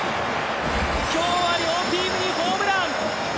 今日は両チームにホームラン！